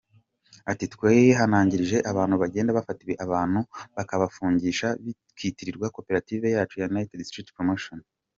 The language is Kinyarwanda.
Ati, “Twihanangirije abantu bagenda bafata abantu bakabafungisha bikitirirwa cooperative yacu ya United Street Promotion.